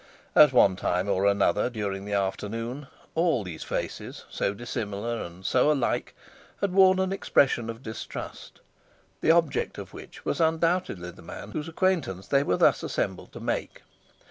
At one time or another during the afternoon, all these faces, so dissimilar and so alike, had worn an expression of distrust, the object of which was undoubtedly the man whose acquaintance they were thus assembled to make.